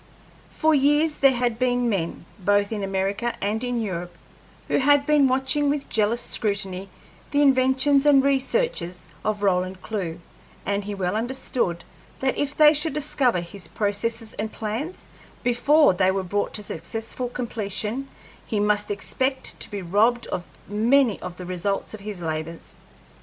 For years there had been men, both in America and in Europe, who had been watching with jealous scrutiny the inventions and researches of Roland Clewe, and he well understood that if they should discover his processes and plans before they were brought to successful completion he must expect to be robbed of many of the results of his labors.